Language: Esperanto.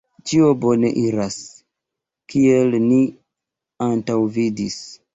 Ĉio bone iras, kiel ni antaŭvidis.